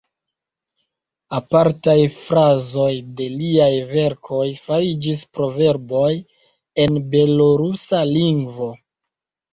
Apartaj frazoj de liaj verkoj fariĝis proverboj en belorusa lingvo.